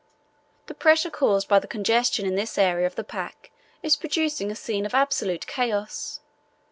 "The pressure caused by the congestion in this area of the pack is producing a scene of absolute chaos.